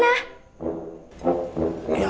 dia pergi lagi